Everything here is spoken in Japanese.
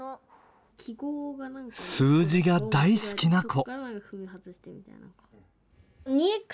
数字が大好きな子。